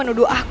aku sudah mati